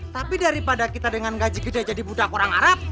tapi daripada kita dengan gaji gede jadi budak orang arab